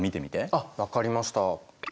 あっ分かりました。